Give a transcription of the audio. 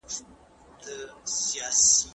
تاسي ولي د مسلمانانو د اتحاد غږ ونه اورېدی؟